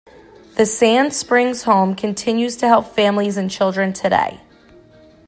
The Sand Springs Home continues to help families and children today.